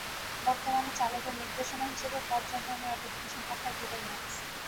বর্তমানে চালকের নির্দেশনা হিসেবে পর্যায়ক্রমে নোটিফিকেশন পাঠায় গুগল ম্যাপস।